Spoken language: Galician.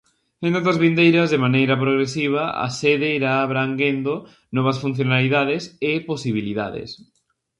En datas vindeiras, "de maneira progresiva", a sede irá abranguendo novas funcionalidades e posibilidades.